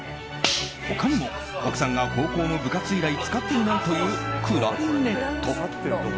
他にも、奥さんが高校の部活以来使っていないというクラリネット。